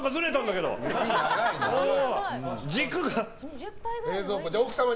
軸が。